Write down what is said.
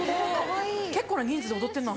結構な人数で踊ってんな。